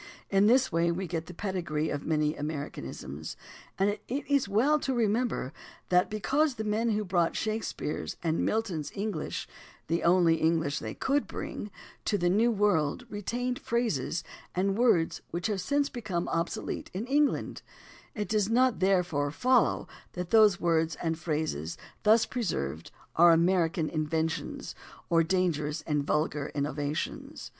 In this way we get the pedigree of many "Americanisms," and it is well to remember that because the men who brought Shakespeare's and Milton's EngHsh (the only English they could bring) to the New World retained phrases and words which have since become obsolete in Eng land, it does not therefore follow that those words and phrases thus preserved are American inventions or dangerous and vulgar innovations.